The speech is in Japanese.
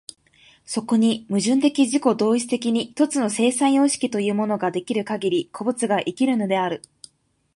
そこに矛盾的自己同一的に一つの生産様式というものが出来るかぎり、個物が生きるのである。